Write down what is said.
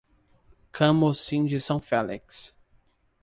Camocim de São Félix